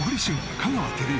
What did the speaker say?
香川照之